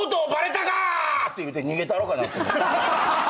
って言うて逃げたろうかな。